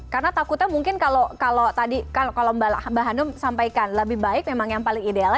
karena takutnya mungkin kalau tadi kalau mbak hanum sampaikan lebih baik memang yang paling ideal